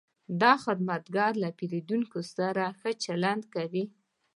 دا خدمتګر له پیرودونکو سره ښه چلند کوي.